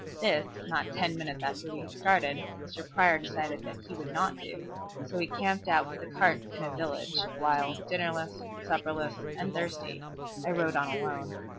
This, not ten minutes after we had started, Mr. Prior decided that he would not do, so he camped out with the carts in a village, while, dinnerless, supperless, and thirsty, I rode on alone.